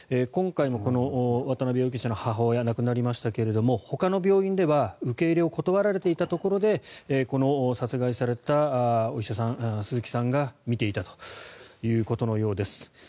今回のこの渡辺容疑者の母親は亡くなりましたがほかの病院では受け入れを断られていたところでこの殺害されたお医者さん鈴木さんが診ていたということのようです。